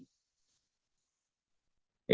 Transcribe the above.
itu juga dibuat oleh polisi